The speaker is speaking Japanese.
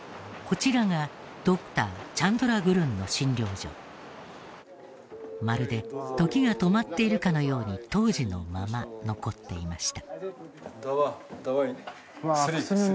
こちらがまるで時が止まっているかのように当時のまま残っていました。